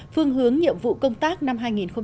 phương hướng nhiệm vụ công tác năm hai nghìn một mươi tám